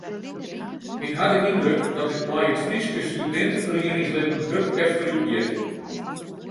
Wy ha de yndruk dat it mei it Fryske studinteferieningslibben hurd efterútgiet.